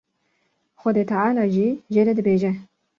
Xwedî Teala jî jê re dibêje.